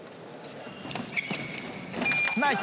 ナイス。